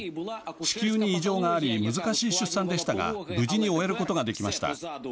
子宮に異常があり難しい出産でしたが無事に終えることができました。